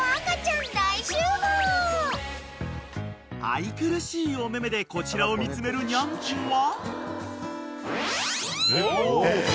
［愛くるしいおめめでこちらを見つめるニャンコは］